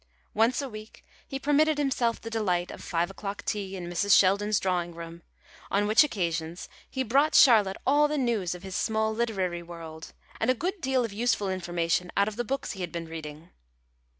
Once a week he permitted himself the delight of five o'clock tea in Mrs. Sheldon's drawing room, on which occasions he brought Charlotte all the news of his small literary world, and a good deal of useful information out of the books he had been reading.